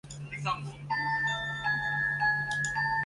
九把刀作品方文山作品陈奕先作品黄子佼作品